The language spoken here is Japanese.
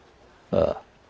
ああ。